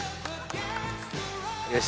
よし！